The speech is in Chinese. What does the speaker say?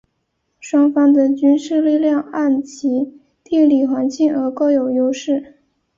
双方的军事力量按其地理环境而各有优势。